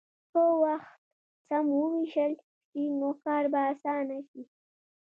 که وخت سم ووېشل شي، نو کار به اسانه شي.